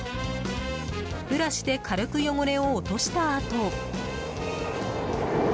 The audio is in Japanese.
ブラシで軽く汚れを落としたあと。